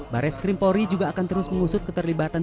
bares krimpori juga akan terus mengusut keterlibatan